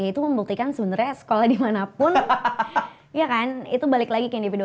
itu membuktikan sebenarnya sekolah dimanapun ya kan itu balik lagi ke individu